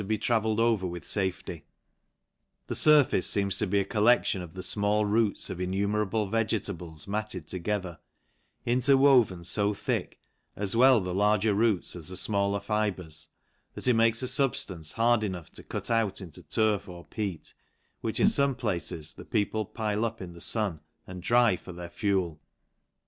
be travelled over with fafety. The furface feems to be a collection of the fmall roots of innumerable vegetables,, matted together, interwoven fo thick,, as well the larger roots as the fmaller fibres, that it makes a fubftance hard enough to cut out into turf or peat, which, in fome places, the people pile up in the fun, and dry for their fuel..